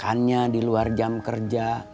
makannya di luar jam kerja